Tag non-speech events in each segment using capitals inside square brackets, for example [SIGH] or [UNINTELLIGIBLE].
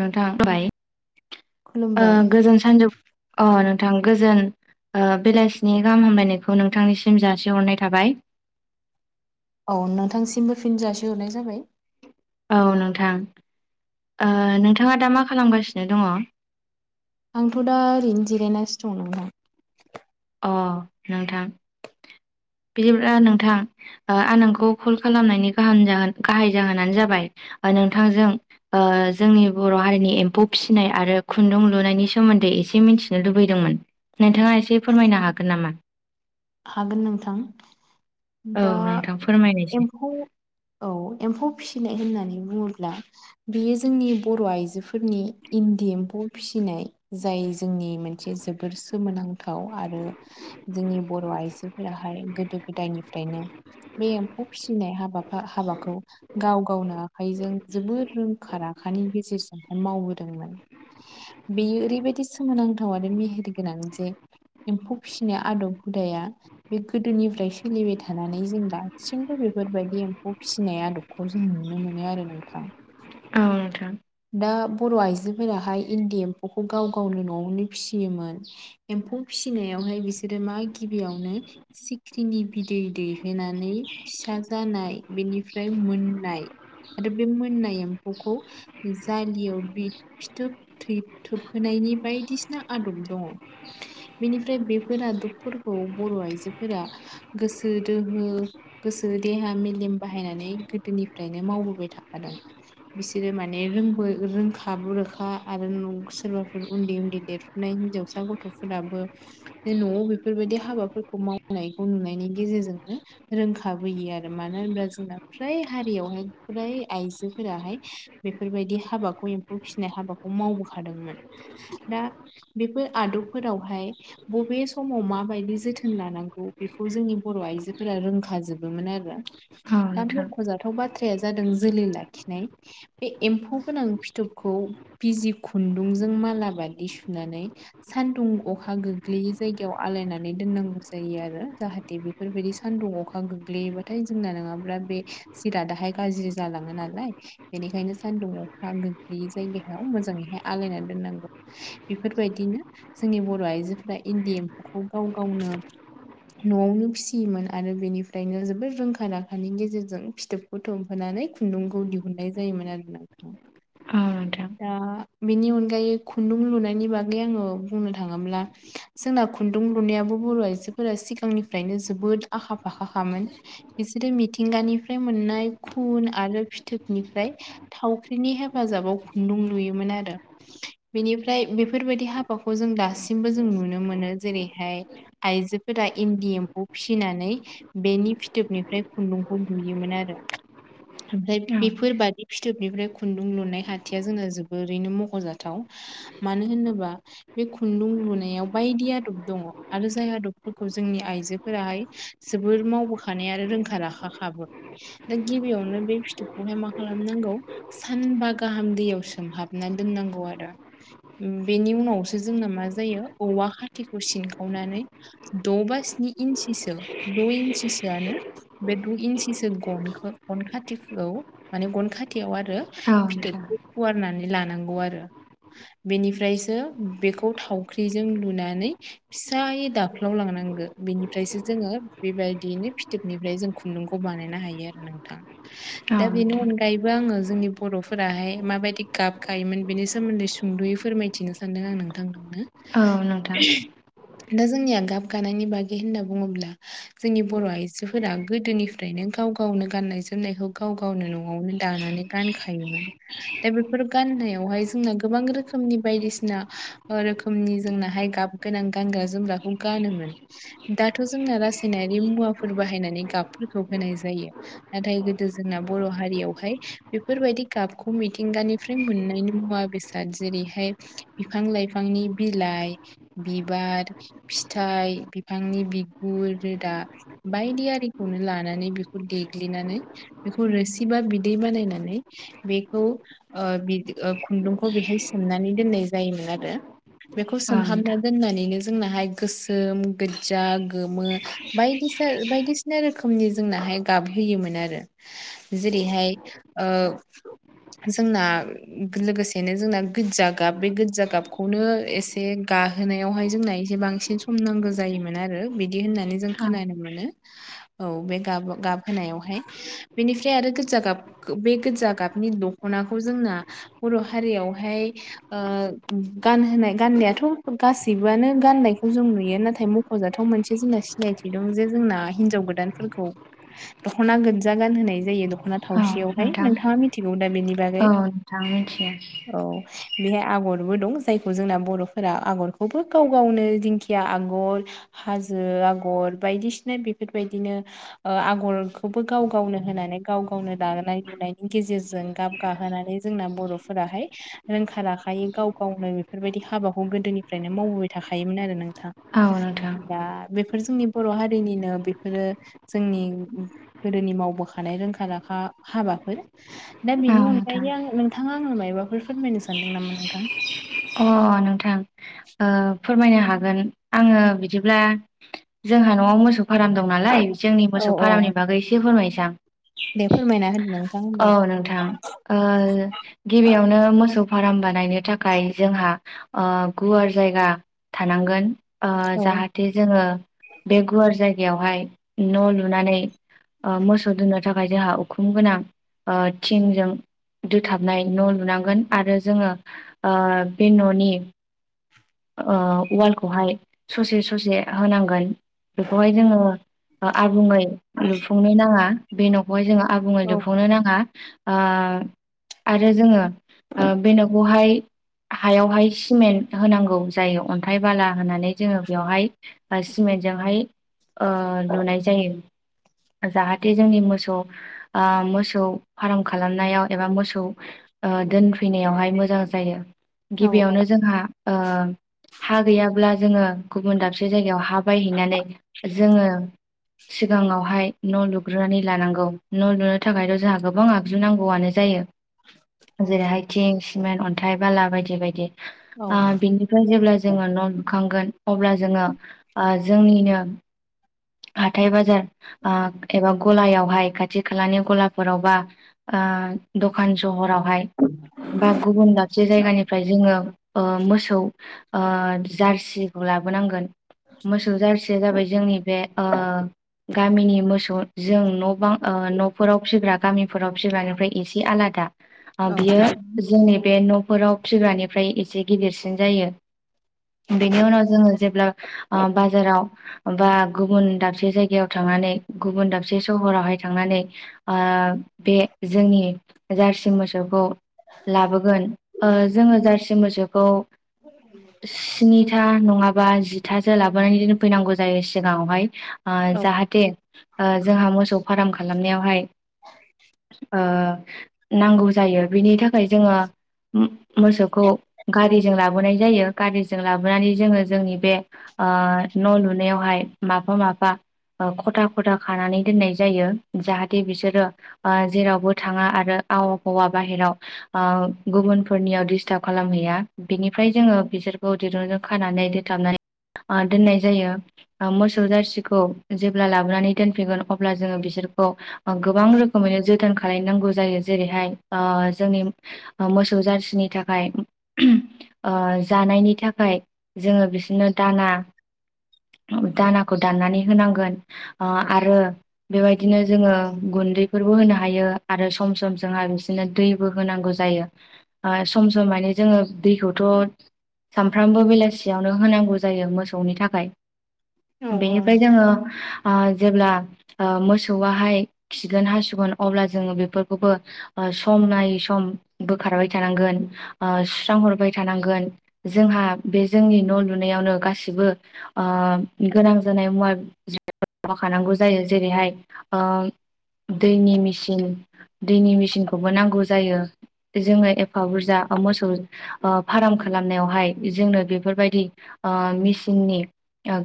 नोंथां फाय ओ खुलुमबाय गोजोन सानजौ ओ नो थां गोजोन ओ बेलासिनि गाहाम हामलायनायखौ नोंथांनिसिम जासिहरनाय थाबाय औ नोंथांसिमबो फिन जासिहरनाय जाबाय औ नोंथां ओ नोंथाङा दा मा खालामगासिनो दङ। आंथ दा ओरैनो जिरायनासो दं नोंथां। अ नोंथां बिदिब्ला नोंथां आ नोंखौ कल खालामनायनि गाहान जाहोन गाहाय जाहोनानो जाबाय ओ नोंथांजों ओ जोंनि बर' हारिनि एम्फौ फिसिनाय आरो खुन्दुं लुनायनि सोमोन्दै एसे मिथिनो लुबैदोंमोन नोंथाङा एसे फोरमायनो हागोन नामा? हागोन नोंथां औ दा नोंथां फोरमायनायसै एम्फौ औ एम्फौ फिसिनाय होननानै बुङोब्ला बियो जोंनि बर' आइजोफोरनि इन्दि एम्फौ फौ फिसिनाय जाय जोंनि मोनसे जोबोर सोमोनांथाव आरो जोंनि बर आइजोफोराहाय गोदो गोदायनिफ्रायनो बे एम्फौ फिसिनाय हाबाफा हाबाखौ। गाव गावनो आखाइजों जोबोर रोंखा आखानि गेजेरजोंहाय मावबोदोंमोन। बेयो ओरैबायदि सोमोनांथाव आरो मेहेर गोनां जे एम्फौ फिसिनो आदब। हुदाया बे गोदोनिफ्राय सोलिबाय थानानै जों दासिमबो बेफोरबायदि एम्फौ फिसिनाया। आदबखौ जों नुनो मोनो आरो नोंथां। औ नोंथां। दा बर आइजोफोराहाय इन्दि एम्फौखौ गाव गावनो नआवनो फिसियोमोन एम्फौ फिसिनायावहाय बिसोरो मा गिबियावनो सिख्रिनि बिदै दैहोनानै फिसा। जानाय बेनिफ्राय मोननाय आरो बे मोननाय एम्फौखौ। जालियाव बि फिथोब थै थोबहोनायनि बायदिसिना आदब दङ। बेनिफ्राय बेफोर आदबफोरखौ बर आइजोफोरा गोसो दोहो। गोसो देहा मेलेम बाहायनानै गोदोनिफ्रायनो मावबोबाय थाखादों बिसोरो मा ने रोंबो रोंखा बुरोखा आरो नों सोरबाफोर उन्दै उन्दै देरफुनाय हिनजावसा गथ। फोराबो बे नआव बेफोरबायदि हाबाफोरखौ मावनायखौ नुनायनि गेजेरजोंनो रोंखाबोयो आरो मानो होनब्ला जोंना फ्राय हारियावहाय फ्राय आइजोफोराहाय बेफोरबायदि हाबाखौ एम्फौ फिनाय हाबाखौ मावबोखादोंमोन दा बेफोर आदब बेफोरावहाय बबे समाव माबायदि जोथोन लानांगौ बेखौ जोंनि बर आइजोफोरा रों खाजोबोमोन आरो औ दा नोंथां मखजाथाव बाथ्राया जादों जोलै लाखिनाय बे एम्फौ गोनां फिथोबखौ बिजि खुन्दुंजों मालाबादि सुनानै सान्दुं अखा गोग्लैयै जायगायाव आलायनानै दोननांगौ जायो आरो जाहाथे बेफोरबायदि सान्दुं अखा गोग्लैयोबाथाय जोंना नोङाब्ला बे जिरादाहाय गाज्रि जालाङो नालाय बेनिखायनो सान्दुं अखा गोग्लैयै जायगायाव मोजाङैहाय आलायना दोननांगौ बेफोरबायदिनो जोंनि बर आइजोफोरा इन्दि एम्फौखौ गाव गावनो नआवनो फिसियोमोन आरो बेनिफ्रायनो जोबोद रोंखा राखानि गेजेरजों फिथोबखौ थुमहोनाय नानै खुन्दुंखौ दिहुननाय जायोमोन आरो नोंथां औ नोंथां दा बेनि अनगायै खुन्दुं लुनायनि बागै आङो बुंनो थाङोब्ला जोंना खुन्दुं लुनायाबो बर' आइजोफोरा सिगांनिफ्रायनो जोबोद आखा फाखाखामोन। बिसोरो मिथिंगानिफ्राय मोन नाय खुन आरो फिथोबनिफ्राय थावख्रिनि हेफाजाबाव खुन्दुं लुयोमोन आरो। बेनिफ्राय बेफोरबायदि हाबाखौ जों दासिमबो जों नुनो मोनो जेरैहाय आइजोफोरा इन्दि एम्फौ फिसिनानै बेनि फिथोबनिफ्राय खुन्दुंखौ नुयोमोन आरो। ओमफ्राय औ बेफोरबादि फिथोबनिफ्राय खुन्दुं लुनाय हाथिया जोंना जोबोरैनो मख'जाथाव। मानो होनोबा बे खुन्दुं लुनायाव बायदि आदब दङ, आरो जाय आदबफोरखौ जोंनि आइजोफोराहाय जोबोर मावबोखानाय आरो रोंखा राखाखाबो। दा गिबियावनो बे फिथोबखौहाय मा खालाम [UNINTELLIGIBLE] नांगौ सानबा गाहाम दैयाव सोमहाबना दोननांगौ आरो। बेनि उनाव [UNINTELLIGIBLE] जोंना मा जयो औवा खाथिखौ सिनखावनानै द बा स्नि इन सिसो द इन्स आरो बे द इन्सिसो गनखौ गन खाथिखौ माने गन खाथियाव आरो आरो नोंथां फिथोबखौ फुवारनानै लानांगौ आरो। बेनिफ्रायसो बेखौ थावख्रिजों लुनानै फिसायै दाफ्लावलां नांगो। बेनिफ्रायसो जोङो बेबायदिनो फिथोबनिफ्राय जों खुन्दुंखौ बानायनो हायो आरो नोंथा। औ अनगायैबो आङो जोंनि बर'फोराहाय माबायदि गाब गायोमोन बेनि सोमोन्दै सुंद'यै फोरमायथिनो सानदों। आं नोंथां नोंनो। औ नोंथां। दा जोंनिया गाब गानायनि बागै होनना बुङोब्ला जोंनि बर' आइजोफोरा गोदोनिफ्रायनो गाव गावनो गाननाय जोमनायखौ गाव गावनो न'आवनो दानानै गानखां खायोमोन। दा बेफोर गनायावहाय जों गोबां रखनि बायदिसिना रोखोमनि जोंनाहाय गाब गोनां गानग्रा जोमग्राखौ गानोमोन। दाथ' जोंना रासायनारि मुवाफोर बाहायनानै गाबफोरखौ होनाय जायो। नाथाय गोदो जोंना बर' हारियावहाय बेफोरबायदि गाबखौ मिथिंगानिफ्राय मोननायनि मुवा बेसाद जेरै हाय बिफां लाइफांनि बिलाइ, बिबार, फिथाय, बिफां नि बिगुर रोदा बायदि आरिखौनो लानानै बेखौ देग्लिनानै बेखौ रोसि बा बिदै बानायनानै बेखौ ओ बि खुदुंखौ बेहाय सोमनानै दोनाय जायोमोन आरो। बेखौ औ सोमहाबना नोंथां दोननानैनो जोंनाहाय गोसोम गोजा गोमो बायदि बायदिसिना रोखोमनि जोंना गाबहोयोमोन आरो। जेरैहाय ओ जोंना लोगोसेनो जोंना गोज्जा गाब बे गोज्जा गाबखौनो एसे गाब जाहोनायावहाय जोंना एसे बांसिन सम नांगौ जायोमोन आरो बिदि होननानै जों औ खोनानो मोनो। औ बे गाब गाबहोनायावहाय। बेनिफ्राय आरो गोजा गाब बे गोजा गाबनि दख'नाखौ जोंना बर' हारियावहाय ओ गानहोनाय गाननायाथ' गाससिबोआनो गाननायखौ जों नुयो नाथाय म जाथाव मोनसे जोंना सिनायथि दं जे जोंना हिनजाव गोदानफोरखौ दखना गोजजा गानहोनाय जायो दख'ना औ थावसेयावहाय नोंथां नोंथाङा मिथिगौ दा बेनि बागै। औ नोंथां मिथियो औ बेहाय आगरबो दं जायखौ जोंना बर'फोरा आगरखौबो गाव गावनो दिंखिया आगर हाजो आगर बायदिसिना बेफोरबायदिनो आगरखौबो गाव गावनो होनानै गाव गावनो दानाय लुनायनि गेजेरजों गाब गाहोनानै जोंना बर'फोराहाय रोंखा राखायै गाव गावनो बेफोरबायदि हाबाखौ गोदोनिफ्रायनो मावबोबाय थाखायोमोन आरो नों थां, औ नोंथां बा बेफोर जोंनि बर' हारिनिनो बेफोरो जोंनि गोदोनि मावबोखा नाय रोंखा रखा हाबाफोर। दा औ बेनि नोंथां अनगायै आं नोंथाङा आंनो मायबाफोर फोरमायनो सान दों नामख नांथां। अ नोंथां, ओ फोरमायनो हागोन, आङो बिदिब्ला। जोंहा न'आव मोसौ फारम दं नालाय, जोंनि औ मोसौ फारामनि औ बागै एसे फोरमायनोसै आं। दे फोरमायना होदों नों औ नोंथां ओ गिबियावनो मोसौ फाराम बानायनो थाखाय जोंहा गुवार आ जायगा थानांगोन। आ औ जाहाथे जोङो बे गुवार जायग जायगायावहाय न' लुनानै ओ मोसौ दोननो थाखाय जोहा उखुम गोनां आ थिनजों दोथाबनाय न' लुनांगोन आरो जोङो ओ बे न'नि ओ वालखौहाय ससे ससे होनांगोन बेखौहाय जोङो ओ आबुङै लुफुंनो नाङा बे न'खौहाय जोङो आबुङै औ लुफुंनो नाङा आ आरो जोङो ओ न'खौहाय हायावहाय सिमेन्ट होनांगौ गौ जायो अन्थाइ बाला होनानै जोङो बेयावहाय सिमेन्टजोंहाय ओ लुनाय जायो। जाहाथे जोंनि मोसौ आ मोसौ फाराम खालामनायाव एबा मोसौ ओ दोनफैनायावहाय मोजां जायो। औ गिबियावनो जोंहा ओ हा गैयाब्ला जोङो गुबुन दाबसे जायगायाव हा बायहैनानै जोङो सिगाङावहाय न' लुग्रोनानै लानांगौ न' लुनो थाखायथ' जोंहा गोबां आगजु नांगौआनो जायो। जेरैहाय थिं सिमेन्ट अन्थाइ बाला बायदि बायदि। औ आ बिनिफ्राय जेब्ला जोङो न' लुखांगोन अब्ला जोङो आ जोंनिनो हाथाइ बाजार आ एबा गलायावहाय खाथि खालानि गलाफोरावबा आ दखान सहराव बेहाय बा गुबुन दाबसे जायगानिफ्राय जोङो ओ मोसौ ओ जारसिखौ लाबोनांगोन। मोसौ जारसिया जाबाय जोंनि बे ओ गामिनि मोसौ जों न' बां ओ न'फोराव फिग्रा गामि फोराव फिग्रानिख्रुइ इसे आलादा आ औ बियो जोंनि बे न नफोराव फिग्रानिफ्राय एसे गिदिरसिन जायो। बेनि उनाव जोङो जेब्ला आ बाजाराव बा गुबुन दाबसे जायगायाव थांनानै गुबुन दाबसे सहरावहाय थांनानै आ बे जोंनि जार जारसि मोसौखौ लाबोगोन ओ जोङो जारसि मोसौखौ स्नि था नङाबा जिथासो लाबोनानै दोनफैनांगौ जायो सिगाङावहाय आ औ जाहा ओ जोंहा मोसौ फार्म खालामनायावहाय ओ नांगौ जायो बिनि थाखाय जोङो होम्ब मोसौखौ गारिजों लाबोनाय जायो गारिजों लाबोनानै जोङो जोंनि बे आ न' लुनायावहाय माफा माफा ओ खथा खथा खानानै दोननाय जायो जाहाथे बिसोरो आ जेरावबो थाङा आरो आवफावा बाहेराव आ गुबुनफोरनियाव दिस्टार्ब खालामहैया बिनिफ्राय जोङो बिसोर खौ दिरुंजों खानानै दोनथाबनानै आ दोननाय जायो। मोसौ जारसिखौ जेब्ला लाबोनानै दोनफैगोन अब्ला जोङो बिसोरखौ आ गोबां रोखोमैनो जोथोन खालायनांगौ जायो जेरैहाय आ जोंनि ओ मोसौ जारसिनि थाख थाखाय जानायनि थाखाय जोङो बिसोरनो दाना दानाखो दाननानै होनांगोन आ आरो बेबादिनो जोङो गुन्दैफोरबो होनो हायो आरो सम सम सम जोंहा बिसोरनो दैबो होनांगौ जायो सम सम माने जोङो दैखौथ' सामफ्रामबो बेलासियावनो होनांगौ जायो मोसौनि थाखाय बेनिफ्राय औ जोङो आ जेब्ला आ मोसौवाहाय खिगोन हासुगोन अब्ला जोङो बेफोरखौबो सम नायै सम बोखारबाय थानांगोन आ सुस्रांहरबाय थानांगोन जोंहा हा बे जोंनि न' लुनायावनो गासिबो आ गोनां जानाय मुवा खानांगौ जायो जेरैहाय दैनि मेचिन दैनि मेचिनखौबो नांगौ जायो। जोङो एफा बुरजा मोसौ फार्म खालामनायावहाय जोंनो बेफोरबायदि ओ मेसिननि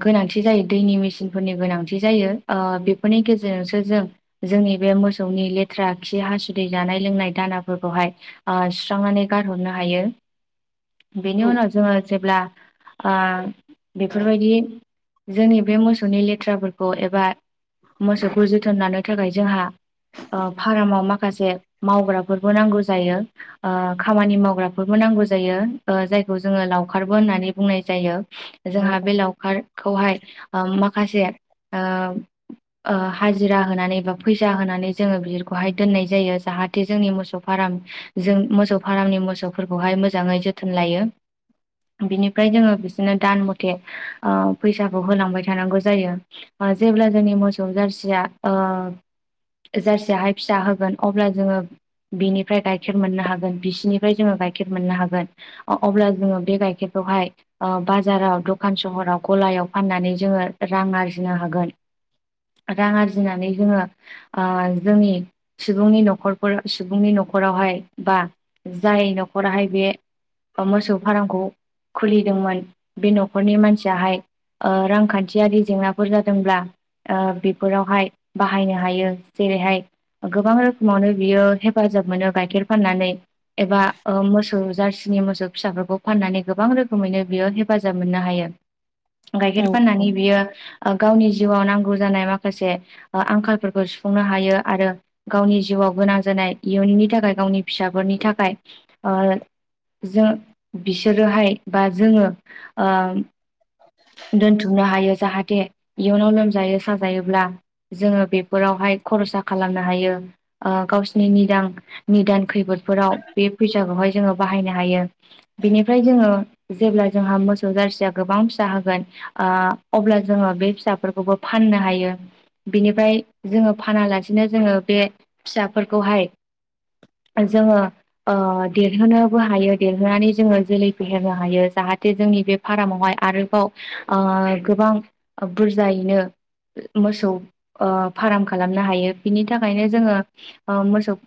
गोनांथि जायो। दैनि मेसिनफोरनि गोनांथि जायो बेफोरनि गेजेरजोंसो जों जोंनि बे मोसौनि लेथ थ्रा खि हासुदै जानाय लोंनाय दानाफोरखौहाय सुस्रांनानै गारहरनो हायो। [INAUDIBLE] बेनि उनाव जोङो जेब्ला आ बेफोरबायदि जोंनि बे मोसौनि लेथ्राफोरखौ एबा मोसौखौ जोथोन लानो थाखाय जोंहा फारामाव माखासे मावग्राफोरबो नांगौ जायो खामानि मावग्राफोरबो नांगौ नांगौ जायो जायखौ जोङो लावखारबो होननानै बुंनाय जायो। जोंहा बे लावखारखौहाय माखासे ओ हाजिरा होनानै बा फैसा होनानै जोङो बिखौहाय दोननाय जायो जाहाथे जोंनि मोसौ -फ्रा जों मोसौ फारामनि मोसौफोरखौहाय मोजाङै जोथोन लायो। बिनिफ्राय जोङो बिसनो दान मथे फैसा खौ होनांबाय थानांगौ जायो जेब्ला जोंनि मोसौ जारसिया ओ जारसियाहाय फिसा होगोन अब्ला जोङो बिनिफ्राय गाइखेर मोननो हागोन बिसिनिफ्राय जोङो गायखेर मोननो हागोन अब्ला जोङो बे गाइखेरखौहाय बाजाराव, दखान सहराव, गलायाव, फाननानै जोङो रां आर्जिनो हागोन। रां आरजिनानै जोङो जोंनि सुबुंनि न'खरफोराव सुबुंनि न'खर न'खरावहाय बा जाय न'खराहाय बे मोसौ फार्मखौ खुलिदोंमोन बे न'खरनि मानसियाहाय ओ रांखान्थियारि जेंनाफोर जादोंब्ला ओ बेफोरावहाय बाहायनो हायो जेरैहाय गोबां रोखोमावनो बियो हेफाजाब मोनो गाइखेर फाननानै एबा मोसौ जारसि नि मोसौ फिसाफोरखौ फाननानै गोबां रोखोमैनो बेयो हेफाजाब मोननो हायो। [INAUDIBLE] गाइखेर औ फाननानै औ बियो गावनि जिउआव नांगौ जानाय माखासे ओ आंखालफोरखौ सुफुंनो हायो आरो गावनि जिउआव गोनां जानाय नाय इयुननि थाखाय गावनि फिसाफोरनि थाखाय ओ जों बिसोरोहाय बा जोङो ओ दोनथुमनो हायो जाहाथे इयुनाव लोमजायो साजायोब्ला जोङो बेफोराव हाय खरसा खालामनो हायो ओ गावसिनिनिदां निदान खैफोद फोराव बे फैसाखौहाय जोङो बाहायनो हायो बिनिफ्राय जोङो जेब्ला जोंहा मोसौ जारसिया गोबां सा होगोन ओ अब्ला जोङो बे फिसाफोरखौबो फाननो हायो। बिनिफ्राय जोङो फानालासिनो जोङो बे फिसाफोरखौहाय जोङो ओ देरहोनोबो हायो देरहोनानै जोङो जोलै फेहेरनो हायो जा हाथे जोंनि बे फारामावहाय आरोबाव ओ गोबां बुरजायैनो मोसौ ओ फाराम खालामनो हायो बिनि थाखायनो जोङो ओ मोसौ